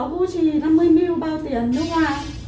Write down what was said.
cái này là ở gucci năm mươi ml bao tiền nước hoa